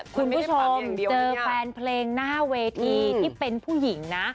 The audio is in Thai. คุณผู้ชมเจอแฟนเพลงหน้าเวทีที่เป็นผู้หญิงนะ